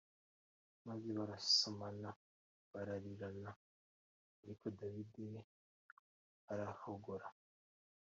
maze barasomana, bararirirana, ariko Dawidi we arahogora.